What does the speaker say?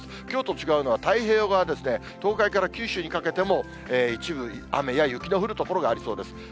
きょうと違うのは、太平洋側、東海から九州にかけても一部、雨や雪の降る所がありそうです。